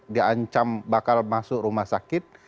diancam bakal masuk rumah sakit